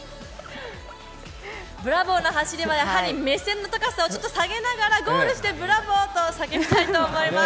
ブラボーな走りは、やはり目線の高さを少し下げながらゴールしてブラボーと叫びたいと思います。